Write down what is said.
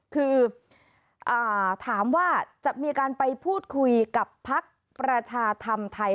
คือถามว่าจะมีการไปพูดคุยกับพักประชาธรรมไทย